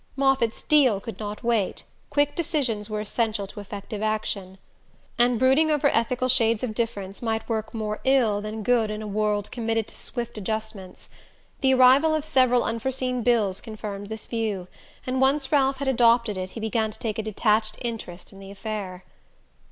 Moffatt's "deal" could not wait: quick decisions were essential to effective action, and brooding over ethical shades of difference might work more ill than good in a world committed to swift adjustments. The arrival of several unforeseen bills confirmed this view, and once Ralph had adopted it he began to take a detached interest in the affair.